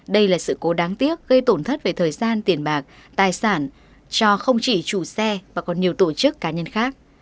đây là sự cố đáng tiếc gây tổn thất về thời gian tiền bạc tài sản cho không chỉ chủ xe mà còn nhiều tổ chức cá nhân khác